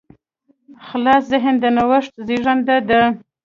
خلاص ذهن د نوښت زېږنده دی.